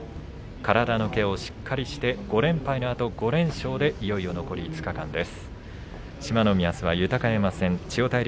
体のケアをしっかりして５連敗のあと５連勝でいよいよ残り５日間です。